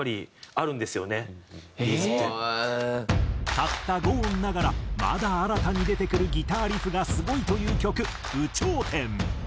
たった５音ながらまだ新たに出てくるギターリフがすごいという曲『有頂天』。